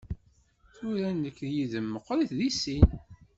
Tura nekk yid-m meqqrit i sin.